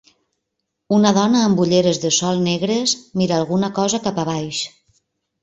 Una dona amb olleres de sol negres mira alguna cosa cap a baix